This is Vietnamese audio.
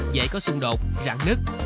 dễ có xung đột rạn nứt